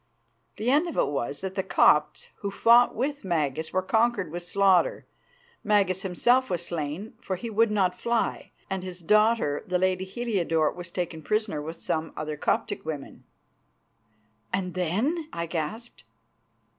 The end of it was that the Copts who fought with Magas were conquered with slaughter, Magas himself was slain, for he would not fly, and his daughter, the lady Heliodore, was taken prisoner with some other Coptic women." "And then?" I gasped.